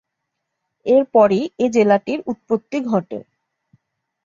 এরপরই এ জেলাটির উৎপত্তি ঘটে।